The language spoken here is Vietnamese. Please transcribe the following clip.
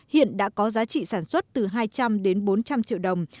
hiện đã có giá trị sản xuất từ hai trăm linh đến bốn trăm linh triệu đồng